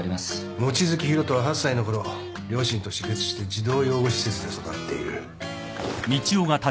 望月博人は８歳のころ両親と死別して児童養護施設で育っている。